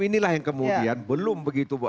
inilah yang kemudian belum begitu